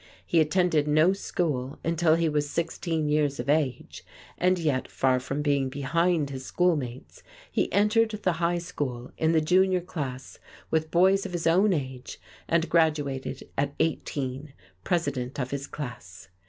He attended no school until he was sixteen years of age, and yet, far from being behind his schoolmates, he entered the high school in the junior class with boys of his own age and graduated at eighteen, president of his class.